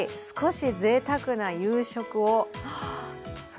少しぜいたくな夕食を。